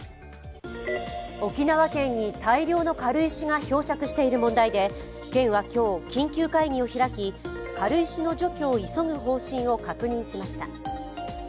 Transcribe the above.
沖縄県に大量の軽石が漂着している問題で県は今日、緊急会議を開き、軽石の除去を急ぐ方針を確認しました。